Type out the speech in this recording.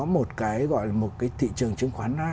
một cái gọi là một cái thị trường chứng khoán